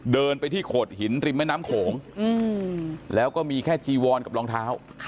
เดินไปที่โขดหินริมแม่น้ำโขงแล้วก็มีแค่จีวอนกับรองเท้า